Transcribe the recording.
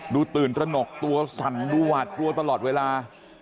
ดูตื่นตระหนกตัวสั่นรวดตัวตลอดเวลา